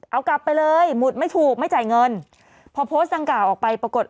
เอากลับไปเลยหมุดไม่ถูกไม่จ่ายเงินพอโพสต์ดังกล่าวออกไปปรากฏ